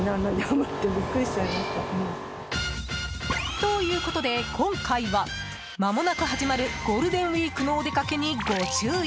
ということで今回はまもなく始まるゴールデンウイークのお出かけにご注意。